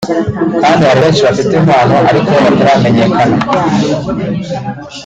kandi hari benshi bafite impano ariko bataramenyekana